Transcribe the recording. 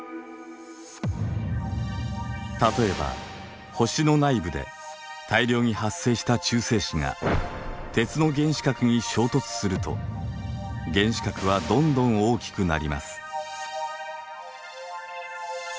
例えば星の内部で大量に発生した中性子が鉄の原子核に衝突すると原子核はどんどん大きくなります。